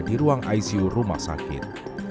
di ruang icu rumah sakit